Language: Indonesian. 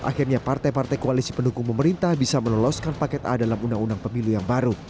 akhirnya partai partai koalisi pendukung pemerintah bisa meloloskan paket a dalam undang undang pemilu yang baru